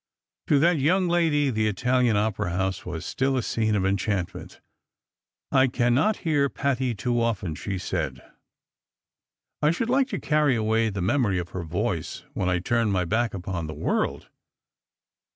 To that young lady the Italian Opera house was still a scene of enchantment. " I cannot hear Patti too often," she said ;" I should like to carry away the memory of her voice when I turn my back upon the world."